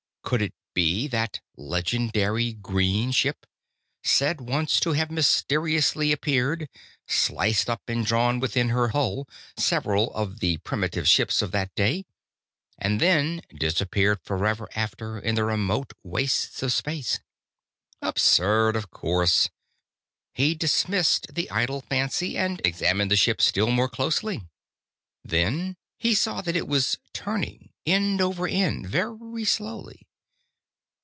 Could it be that legendary green ship, said once to have mysteriously appeared, sliced up and drawn within her hull several of the primitive ships of that day, and then disappeared forever after in the remote wastes of space? Absurd, of course: he dismissed the idle fancy and examined the ship still more closely. Then he saw that it was turning, end over end, very slowly.